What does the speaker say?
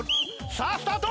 さあスタート！